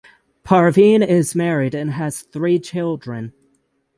Parveen is married and has three children.